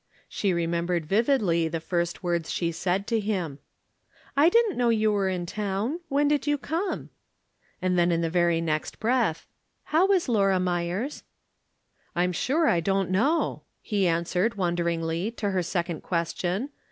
She remembered vividly the first words she said to him :" I didn't know you were in town. When did you come ?" And then in the very next breath :" How is Laura Myers ?"" I'm sure I don't know," he answered, won deringly, to her second question.